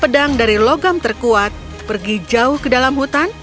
pedang dari logam terkuat pergi jauh ke dalam hutan